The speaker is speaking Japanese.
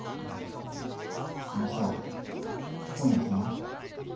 あのさ今夜暇？